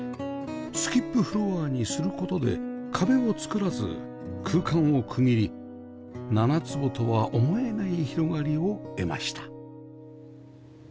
スキップフロアにする事で壁を作らず空間を区切り７坪とは思えない広がりを得ました